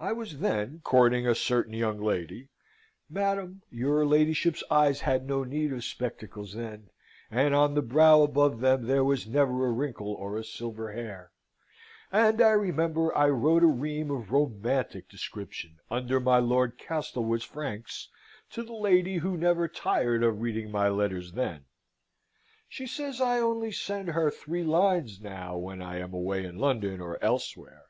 I was then courting a certain young lady (madam, your ladyship's eyes had no need of spectacles then, and on the brow above them there was never a wrinkle or a silver hair), and I remember I wrote a ream of romantic description, under my Lord Castlewood's franks, to the lady who never tired of reading my letters then. She says I only send her three lines now, when I am away in London or elsewhere.